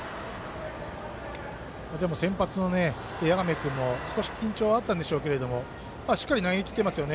でも先発の谷亀君も少し緊張があったんでしょうけどしっかり投げきってますね。